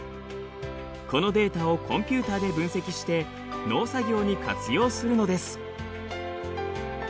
このデータをコンピューターで分析して農作業に活用するのです。